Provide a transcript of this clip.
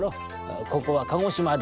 ここは鹿児島だ。